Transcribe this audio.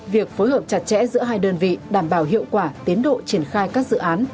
việc phối hợp chặt chẽ giữa hai đơn vị đảm bảo hiệu quả tiến độ triển khai các dự án